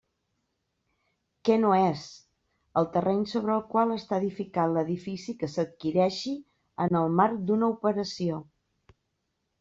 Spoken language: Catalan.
Què no és: el terreny sobre el qual està edificat l'edifici que s'adquireixi en el marc d'una operació.